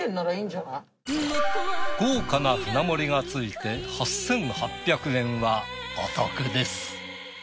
豪華な舟盛りが付いて８，８００円はお得です。